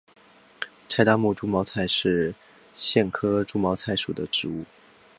柴达木猪毛菜是苋科猪毛菜属的植物。